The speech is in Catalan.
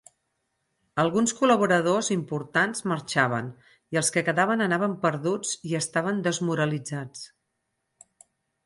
Alguns col·laboradors importants marxaven, i els que quedaven anaven perduts i estaven desmoralitzats.